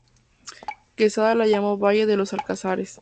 Quesada la llamó Valle de los Alcázares.